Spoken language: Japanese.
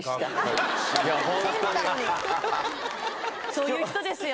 そういう人ですよ。